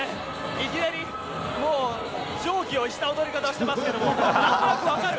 いきなり、もう常軌を逸した踊り方してますけども、なんとなく分かる。